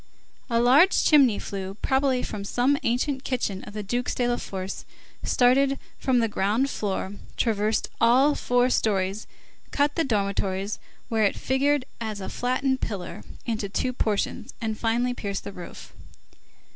A large chimney flue, probably from some ancient kitchen of the Dukes de la Force, started from the ground floor, traversed all four stories, cut the dormitories, where it figured as a flattened pillar, into two portions, and finally pierced the roof.